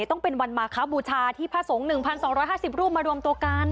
ต้องเป็นวันมาคบูชาที่พระสงฆ์๑๒๕๐รูปมารวมตัวกัน